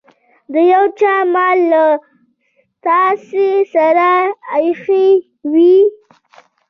د يو چا مال له تاسې سره ايښی وي.